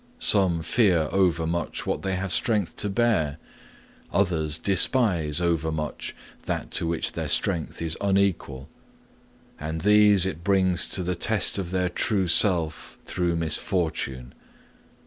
Some fear overmuch what they have strength to bear; others despise overmuch that to which their strength is unequal. All these it brings to the test of their true self through misfortune.